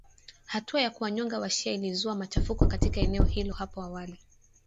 Hatua ya kuwanyonga washia ilizua machafuko katika eneo hilo hapo awali